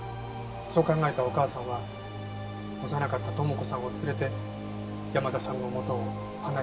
そう考えたお母さんは幼かった友子さんを連れて山田さんの元を離れたんです。